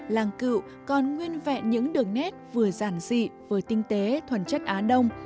làng cựu còn nguyên vẹn những đường nét vừa giản dị vừa tinh tế thuần chất á đông